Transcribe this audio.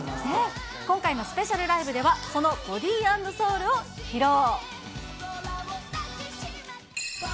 今回のスペシャルライブでは、そのボディ＆ソウルを披露。